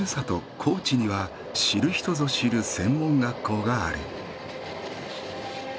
高知には知る人ぞ知る専門学校がある。